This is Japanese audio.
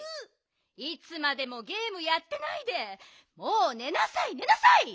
いつまでもゲームやってないでもうねなさいねなさい！